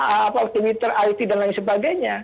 apa optimismeter it dan lain sebagainya